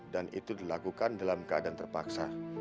dan itu dilakukan dalam keadaan terpaksa